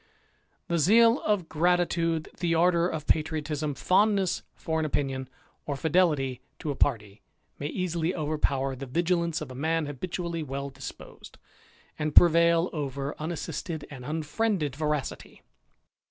The zeal of gratitude, the ardour of patriotism, fondness for an opinion, or fidelity to a party, may easily overpower the vigilance of a mind habitually well disposed, and prevail over unassisted and Unfriended veracity.